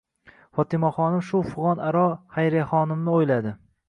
Fotimaxonim shu fig'on aro Xayriyaxonimni o'yladi.